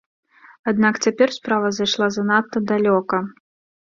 Аднак цяпер справа зайшла занадта далёка.